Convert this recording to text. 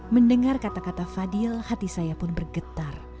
mendengar kata kata fadil hati saya pun bergetar